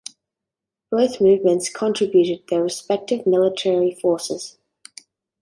Both movements contributed their respective military forces.